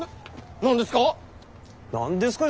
な何ですか？